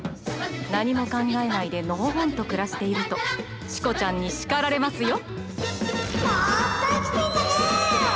なにもかんがえないでのほほんとくらしているとチコちゃんにしかられますよ」。